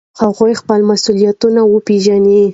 هغوی خپل مسؤلیتونه وپیژني.